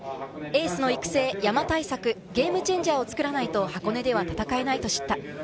エースの育成、山対策、ゲームチェンジャーを作らないと箱根では戦えないと知った。